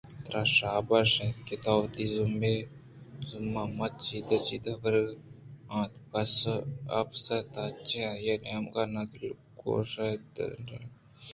ترا شاباش اِنت کہ وتی ذمہ ءَ من چد ءَ چہ برگ ءَاِت ؟ اپس تاچ ءَآئی ءِ نیمگ ءَ نہ دلگوش دات ءُنیئکہ ہچ پسوے دات